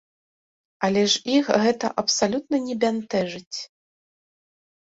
Але ж іх гэта абсалютна не бянтэжыць.